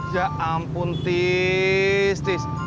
ya ampun tis